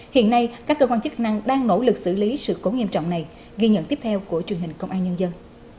hiện nay các cơ quan chức năng đang nỗ lực xử lý sự cố nghiêm trọng này ghi nhận tiếp theo của truyền hình công an nhân dân